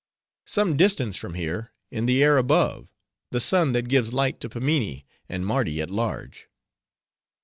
"Some distance from here; in the air above; the sun that gives light to Pimminee, and Mardi at large."